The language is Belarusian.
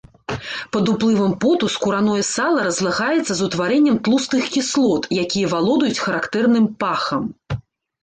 Пад уплывам поту скурнае сала разлагаецца з утварэннем тлустых кіслот, якія валодаюць характэрным пахам.